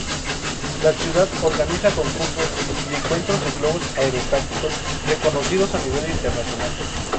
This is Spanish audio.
La ciudad organiza concursos y encuentros de globos aerostáticos reconocidos a nivel internacional.